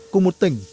cùng một tỉnh